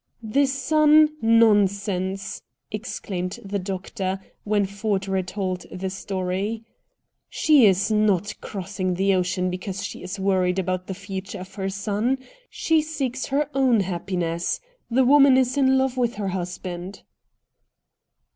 "The son, nonsense!" exclaimed the doctor, when Ford retold the story. "She is not crossing the ocean because she is worried about the future of her son. She seeks her own happiness. The woman is in love with her husband."